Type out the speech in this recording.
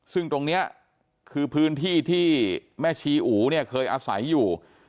ซึ่งตรงนี้คือพื้นที่ที่แม่ชีอู๋เนี่ยเคยอาศัยอยู่